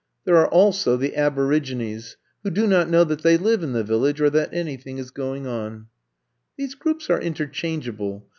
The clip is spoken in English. There are also the Aborig ines who do not know that they live in the Village or that anything is going on. These groups are interchangeable.